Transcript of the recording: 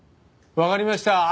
わかりました。